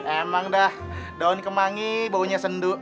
emang dah daun kemangi baunya senduk